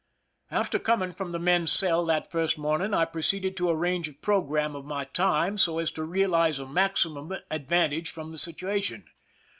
After coming from the men's cell that first morn ing, I proceeded to arrange a program of my time so as to realize a maximum advantage from the situation.